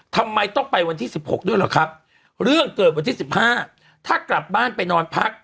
ทำไมต้องไปวันที่๑๖ด้วยเหรอครับเรื่องเกิดวันที่๑๕ถ้ากลับบ้านไปนอนพัก